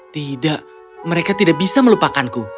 tidak mereka tidak bisa melupakanku